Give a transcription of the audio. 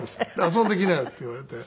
「遊んでいきなよ」って言われて。